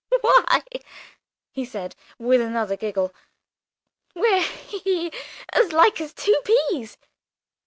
"Why," he said, with another giggle, "we're he he as like as two peas!"